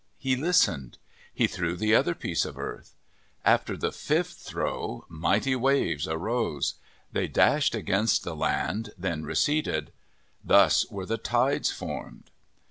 He listened. He threw the other piece of earth. After the fifth throw, mighty waves arose. They dashed against the land, then receded. Thus were the tides formed.